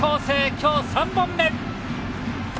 今日、３本目。